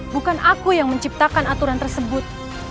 bukan aku yang menciptakan aturan tersebut